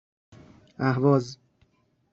اهواز